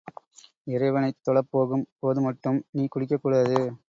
இறைவனைத் தொழப் போகும் போது மட்டும் நீ குடிக்கக் கூடாது.